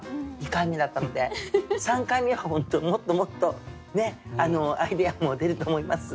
２回目だったので３回目はもっともっとアイデアも出ると思います。